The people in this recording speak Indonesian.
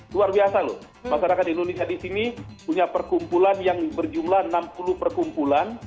luar biasa loh masyarakat indonesia di sini punya perkumpulan yang berjumlah enam puluh perkumpulan